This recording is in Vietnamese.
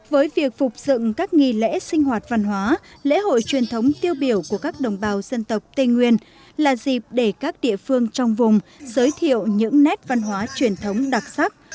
với việc phục dựng các nghi lễ sinh hoạt văn hóa lễ hội truyền thống tiêu biểu của các đồng bào dân tộc tây nguyên là dịp để các địa phương trong vùng giới thiệu những nét văn hóa truyền thống đặc sắc